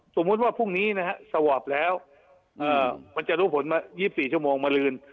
สมมุติว่าพรุ่งนี้นะฮะสวอปแล้วมันจะรู้ผลมา๒๔ชั่วโมงมาลืน